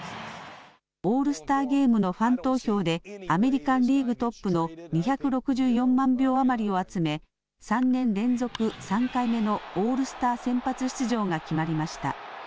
オールスターゲームのファン投票でアメリカンリーグトップの２６４万票余りを集め３年連続、３回目のオールスター先発出場が決まりました。